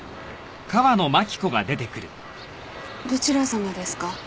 どちらさまですか？